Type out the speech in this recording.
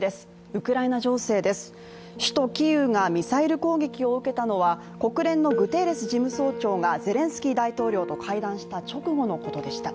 ウクライナ情勢です首都キーウがミサイル攻撃を受けたのは国連のグテーレス事務総長がゼレンスキー大統領と会談した直後のことでした。